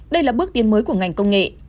đây là bước tiến mới của ngành công nghệ